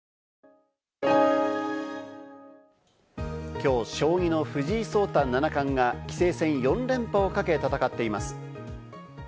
きょう将棋の藤井聡太七冠が棋聖戦４連覇をかけ、戦っています。